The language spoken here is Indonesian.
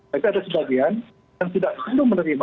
tapi ada sebagian yang tidak perlu menerima